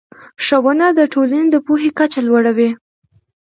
ښوونه د ټولنې د پوهې کچه لوړه وي